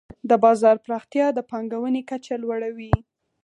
د بازار پراختیا د پانګونې کچه لوړوي.